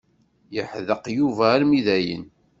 Yeḥdeq Yuba armi dayen.